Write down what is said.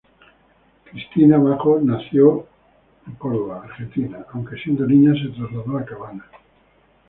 Cristina Bajo nació el en Córdoba, Argentina, aunque siendo niña se trasladó a Cabana.